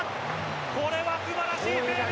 これは素晴らしいセーブ。